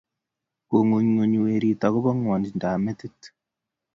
Ko ngunyinyi werit ak bo ngwanin ab metit